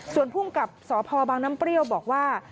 ส่วนภูมิกับสพบางน้ำเปรี้ยวบอกว่า